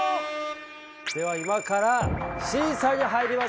では今から審査に入ります。